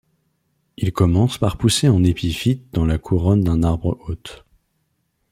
Ils commencent par pousser en épiphyte dans la couronne d'un arbre hôte.